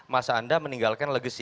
masa anda meninggalkan legasi